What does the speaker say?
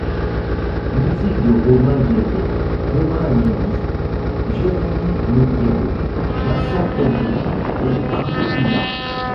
Musique de Romain Guerret, Romain Leiris, Jeremy Monteiro, Vincent Pedretti et Arnaud Pilard.